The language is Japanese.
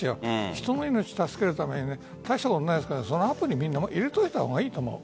人の命を助けるために大したことないですけどアプリを入れといたほうがいいと思う。